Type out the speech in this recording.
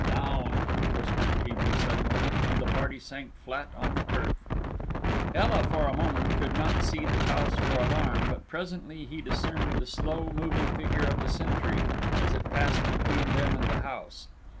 "Down!" whispered T. B. suddenly, and the party sank flat on the turf. Ela for a moment could not see the cause for alarm, but presently he discerned the slow moving figure of the sentry as it passed between them and the house.